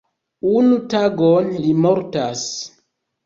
Unu tagon li mortas.